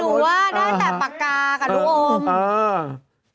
หนูว่าได้ตั้งแต่ปากกากับดูอม